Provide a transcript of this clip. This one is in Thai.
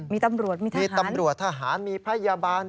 มีตำรวจมีทหารมีพยาบาล